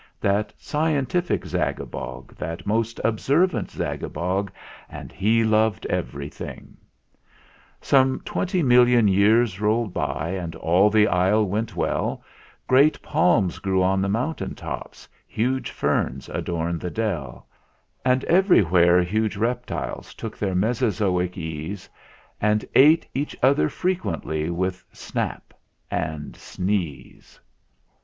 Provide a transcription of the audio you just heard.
That scientific Zagabog, That most observant Zagabog: And he loved everything. THE ENTERTAINMENT 123 v. Some twenty million years rolled by, and all the Isle went well; Great palms grew on the mountain tops, huge ferns adorned the dell; And everywhere huge reptiles took their Mesozoic ease, And ate each other frequently, with snap and sneeze.